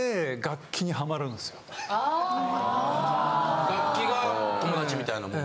・ああ・楽器が友達みたいなもん。